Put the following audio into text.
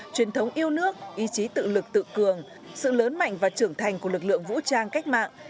truyền thống yêu nước ý chí tự lực tự cường sự lớn mạnh và trưởng thành của lực lượng vũ trang cách mạng